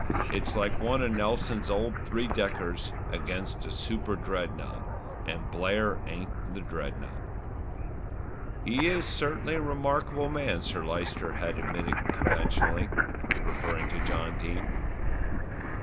It's like one of Nelson's old three deckers against a super dreadnought, and Blair ain't the dreadnought." "He is certainly a remarkable man," Sir Lyster had admitted conventionally, referring to John Dene.